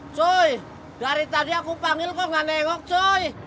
cuy dari tadi aku panggil kok gak nengok cuy